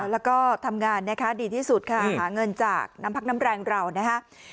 แล้วก็ทำงานนะคะดีที่สุดค่ะหาเงินจากน้ำพักน้ำแรงเรานะฮะ